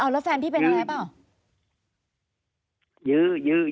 แล้วแฟนพี่เป็นอะไรหรือเปล่า